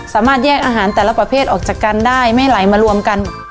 สามารถแยกอาหารแต่ละประเภทออกจากกันได้ไม่ไหลมารวมกัน